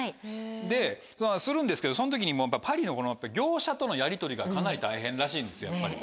でするんですけどその時にパリの業者とのやりとりがかなり大変らしいんですやっぱり。